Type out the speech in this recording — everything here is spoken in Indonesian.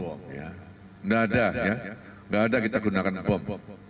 tidak ada tidak ada kita menggunakan bom